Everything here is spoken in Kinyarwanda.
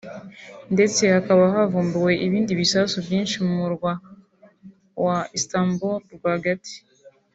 ndetse hakaba havumbuwe ibindi bisasu byinshi mu murwa wa Istanbul rwagati